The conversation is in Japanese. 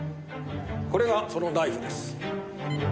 これがそのナイフです。